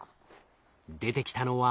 出てきたのは。